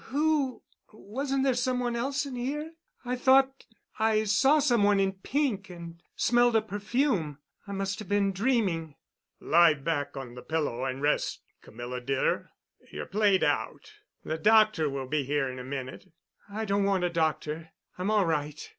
Who—? Wasn't there some one else in here? I thought—I saw some one in pink—and smelled a perfume. I must have been dreaming." "Lie back on the pillow and rest, Camilla, dear. You're played out. The doctor will be here in a minute." "I don't want a doctor. I'm all right."